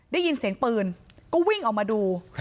ได้ยินเสียงปืนก็วิ่งออกมาดู